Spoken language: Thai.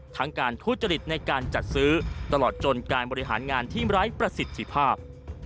ทั้งการทุจริตในการจัดซื้อตลอดจนการบริหารงานที่ไร้ประสิทธิภาพ